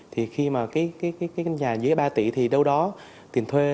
thì khi mà cái nhà dưới ba tỷ thì đâu đó tiền thuê